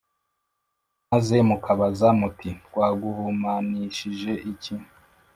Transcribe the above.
Maze mukabaza muti ‘Twaguhumanishije iki?’